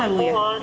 para pasiennya full